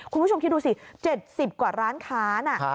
คุณผู้ชมคิดดูสิ๗๐กว่าร้านค้านะ